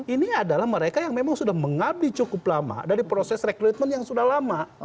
ini adalah mereka yang memang sudah mengabdi cukup lama dari proses rekrutmen yang sudah lama